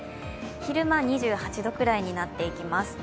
昼間２８度くらいになっていきます。